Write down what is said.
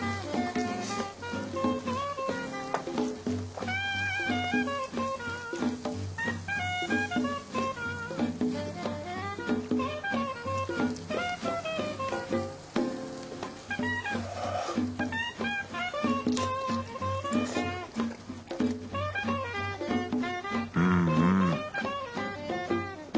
うんうん。